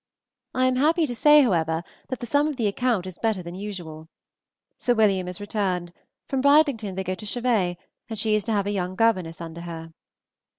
I am happy to say, however, that the sum of the account is better than usual. Sir William is returned; from Bridlington they go to Chevet, and she is to have a young governess under her.